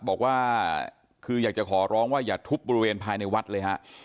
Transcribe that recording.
บอกว่าคืออยากจะขอร้องว่าอย่าทุบบริเวณภายในวัดเลยฮะ